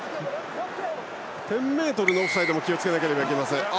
１０ｍのオフサイドも気をつけなければいけません。